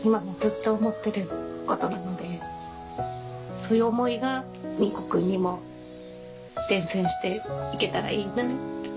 そういう思いが仁琥君にも伝染していけたらいいな。